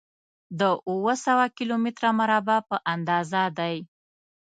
د اووه سوه کيلو متره مربع په اندازه دی.